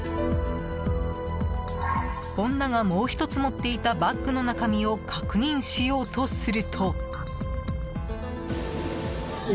女がもう１つ持っていたバッグの中身を確認しようとすると。